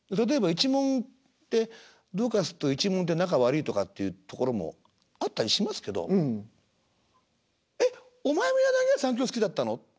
例えば一門ってどうかすると一門って仲悪いとかっていうところもあったりしますけど「えっお前も柳家さん喬好きだったの？